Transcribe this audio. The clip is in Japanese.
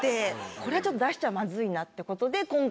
これはちょっと出しちゃマズいなってことで今回。